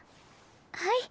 はい。